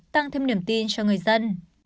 tăng thêm niềm tin cho người dân